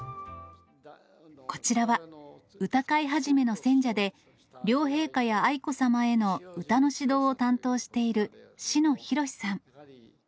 こちらは、歌会始の選者で、両陛下や愛子さまへの歌の指導を担当している篠弘さん。